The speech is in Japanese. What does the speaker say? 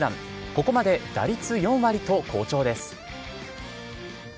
ここまで打率４割と好調です。